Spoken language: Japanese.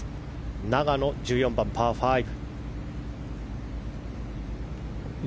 永野、１４番、パー５。